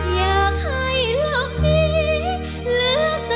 อยากให้หัวใจของคุณหยุดปล่องยิ่งใดมาคุ้มเกี่ยว